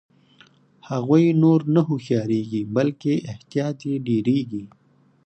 هغوی نور نه هوښیاریږي بلکې احتیاط یې ډیریږي.